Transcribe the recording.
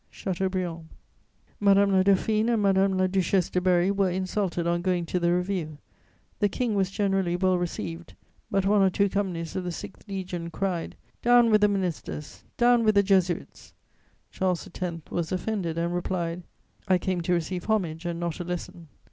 "CHATEAUBRIAND." Madame la Dauphine and Madame la Duchesse de Berry were insulted on going to the review; the King was generally well received; but one or two companies of the 6th Legion cried: "Down with the ministers! Down with the Jesuits!" Charles X. was offended, and replied: "I came to receive homage, and not a lesson."